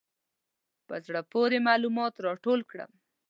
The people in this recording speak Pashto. په زړه پورې معلومات راټول کړم.